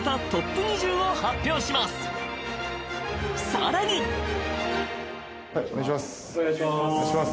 ［さらに］お願いします。